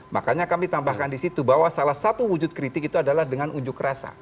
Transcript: makanya kami tambahkan di situ bahwa salah satu wujud kritik itu adalah dengan unjuk rasa